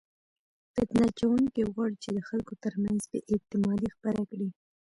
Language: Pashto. فتنه اچونکي غواړي چې د خلکو ترمنځ بې اعتمادي خپره کړي.